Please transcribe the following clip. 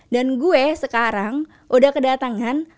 dan gue sekarang udah kedatangan